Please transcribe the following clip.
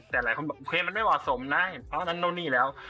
แต่หลายคนบอกโอเคมันไม่เหมาะสมนะเพราะฉะนั้นนู่นนี่แล้ว